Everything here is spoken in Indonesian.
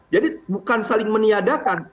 jadi bukan saling meniadakan